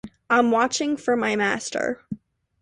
I'm watching for my master.